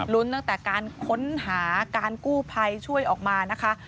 ตั้งแต่การค้นหาการกู้ภัยช่วยออกมานะคะ